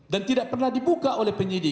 dan tidak pernah dibuka oleh penyidik